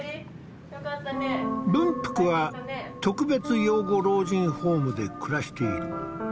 文福は特別養護老人ホームで暮らしている。